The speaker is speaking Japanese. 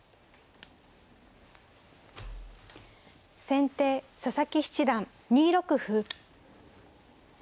先手佐々木七段２六歩。